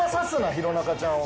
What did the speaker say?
弘中ちゃんを。